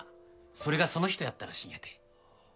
それがその人やったらしいんやて。